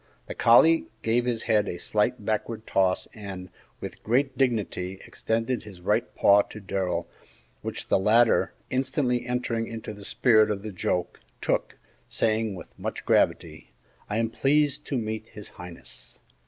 The collie gave his head a slight backward toss, and, with great dignity, extended his right paw to Darrell, which the latter, instantly entering into the spirit of the joke, took, saying, with much gravity, "I am pleased to meet His Highness!"